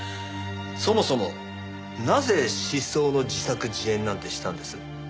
そもそもなぜ失踪の自作自演なんてしたんです？